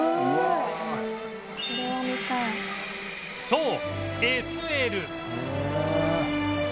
そう ＳＬ